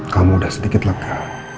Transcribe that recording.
kamu udah sedikit laka